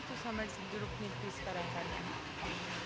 terus sama jeruk nipis kadang kadang